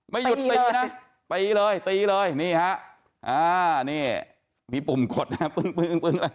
ไม่หยุดตีนะตีเลยตีเลยนี่ฮะอ่านี่มีปุ่มกดนะปึ้งเลย